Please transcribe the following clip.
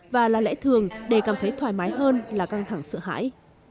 và là lễ thường để cảm thấy thoải mái hơn là căng thẳng sự hãi